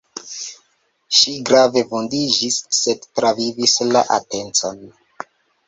Ŝi grave vundiĝis, sed travivis la atencon.